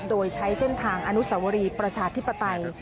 โดยใช้เส้นทางอนุสวรีประชาธิปไตย